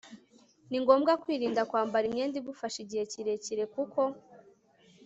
ni ngombwa kwirinda kwambara imyenda igufashe igihe kirekire kuko